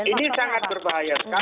ini sangat berbahaya